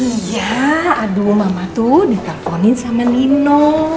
iya aduh mama tuh ditelponin sama nino